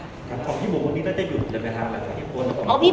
ขอบพี่บอกว่านี้ก็จะหยุดจะไปทางหลังจากเฮียโฟส